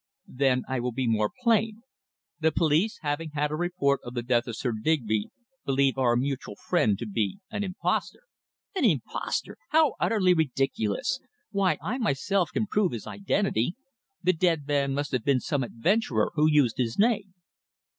"Then I will be more plain. The police, having had a report of the death of Sir Digby, believe our mutual friend to be an impostor!" "An impostor! How utterly ridiculous. Why, I myself can prove his identity. The dead man must have been some adventurer who used his name."